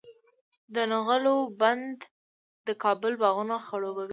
د نغلو بند د کابل باغونه خړوبوي.